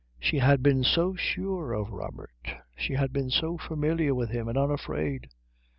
She had been so sure of Robert. She had been so familiar with him and unafraid.